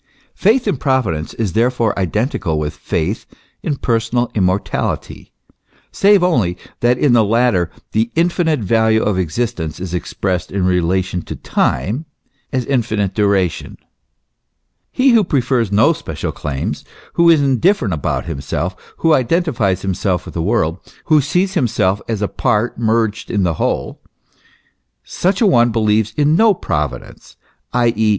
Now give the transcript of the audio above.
Faith in Providence is therefore identical with faith in personal immortality ; save only, that in the latter the infinite value of existence is expressed in relation to time, as infinite duration. He who prefers no special claims, who is indifferent about himself, who identifies himself with the world, who sees himself as a part merged in the whole, such a one believes in no Provi dence, i.e.